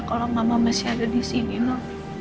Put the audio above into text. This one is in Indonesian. kalau mama masih ada disini no